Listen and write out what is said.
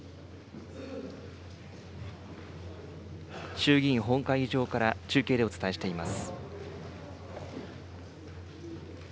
衆議院本会議場から中継でお伝えしています。